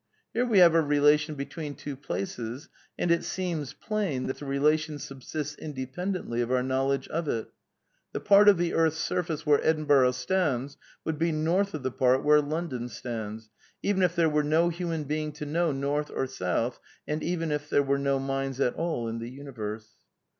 Here we have a relation between two places, and it seems plain that the relation subsists independently of our knowledge of it. ... The part of the earth's surface where Edinburgh stands would be north of the part where London stands, even if there were no human being to know north or south, and even if there were no minds at all in the universe."